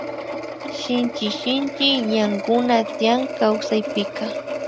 Shinchi sinchi ñankuna tiyan kawsaypika